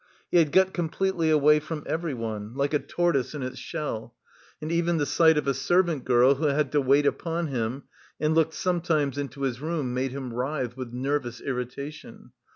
He had got completely away from everyone, like a tortoise in its shell, and even the sight of a servant girl who had to wait upon him and looked sometimes into his room made him writhe with nervous irritation.